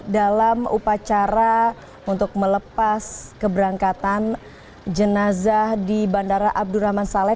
dalam upacara untuk melepas keberangkatan jenazah di bandara abdurrahman saleh